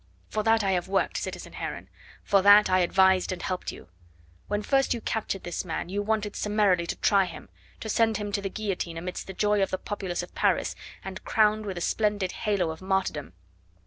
For that I have worked, citizen Heron for that I advised and helped you. When first you captured this man you wanted summarily to try him, to send him to the guillotine amidst the joy of the populace of Paris, and crowned with a splendid halo of martyrdom.